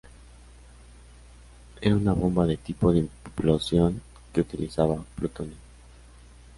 Era una bomba de tipo de implosión que utilizaba plutonio.